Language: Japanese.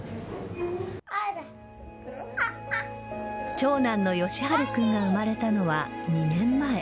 長男の義晴くんが生まれたのは２年前。